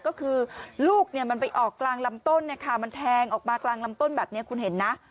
ก็คือลูกมันไปออกกลางลำต้นมันแทงออกมากลางลำต้นแบบนี้คุณเห็นนะ